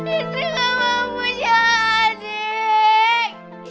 indri gak mau punya adik